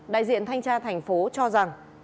đại diện thanh tra thành phố cho rằng